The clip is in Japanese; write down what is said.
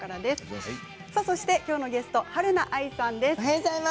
きょうのゲストはるな愛さんです。